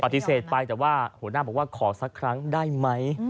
ปฏิเสธไปแต่ว่าหัวหน้าบอกว่าขอสักครั้งได้ไหม